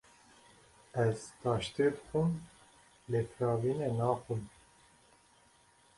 Ez taştê dixwim lê firavînê naxwim.